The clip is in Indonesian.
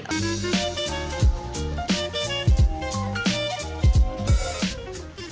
rumah makan tahu